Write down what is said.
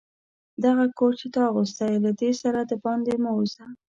دغه کوټ چي تا اغوستی، له دې سره دباندي مه وزه.